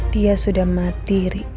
dia sudah mati ri